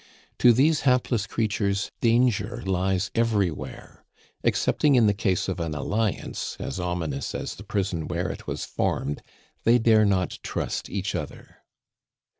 To these hapless creatures danger lies everywhere; excepting in the case of an alliance as ominous as the prison where it was formed, they dare not trust each other.